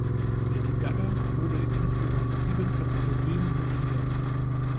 Lady Gaga wurde in insgesamt sieben Kategorien nominiert.